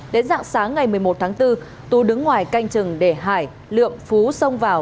đến dạng sáng ngày một mươi một tháng bốn tú đứng ngoài canh chừng để hải lượng phú xông vào